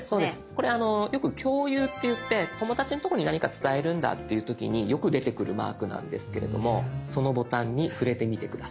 これよく「共有」っていって友達のとこに何か伝えるんだっていう時によく出てくるマークなんですけれどもそのボタンに触れてみて下さい。